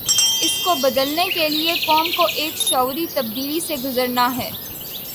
اس کو بدلنے کے لیے قوم کو ایک شعوری تبدیلی سے گزرنا ہے۔